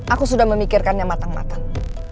aku sudah memikirkan yang matang matang